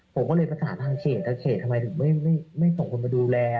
ผมก็เลยประสานทางเขตทางเขตทำไมถึงไม่ส่งคนมาดูแล